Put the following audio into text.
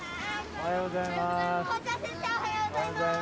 おはようございます。